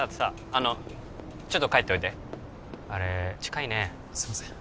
あのちょっと帰っておいであれ近いねすいません